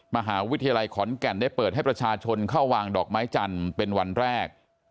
มหาวิทยาลัยขอนแก่นได้เปิดให้ประชาชนเข้าวางดอกไม้จันทร์เป็นวันแรก